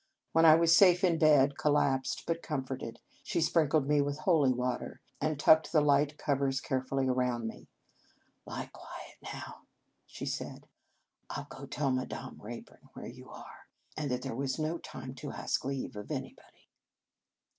When I was safe in bed, collapsed but comforted, she sprinkled me with holy water, and tucked the light cov ers carefully around me. " Lie quiet now," she said. " I 11 go tell Madame Rayburn where you are, and that there was no time to ask leave of anybody."